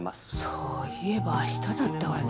そういえば明日だったわね